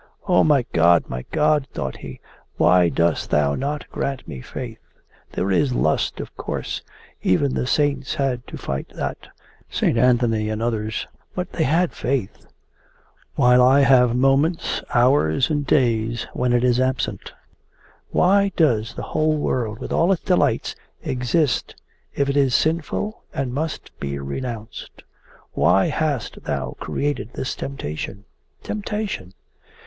'O my God, my God!' thought he. 'Why dost thou not grant me faith? There is lust, of course: even the saints had to fight that Saint Anthony and others. But they had faith, while I have moments, hours, and days, when it is absent. Why does the whole world, with all its delights, exist if it is sinful and must be renounced? Why hast Thou created this temptation? Temptation?